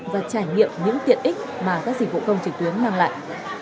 và trải nghiệm những tiện ích mà các dịch vụ công trực tuyến mang lại